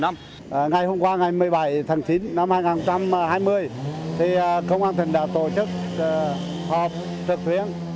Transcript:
ngày hôm qua ngày một mươi bảy tháng chín năm hai nghìn hai mươi thì công an thứ thiên huế đã tổ chức họp trực tuyến